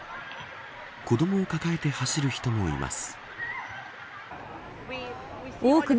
子どもを抱えて走る人もいます。